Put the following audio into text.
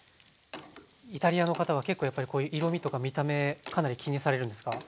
イタリアの方は結構やっぱりこういう色みとか見た目かなり気にされるんですか？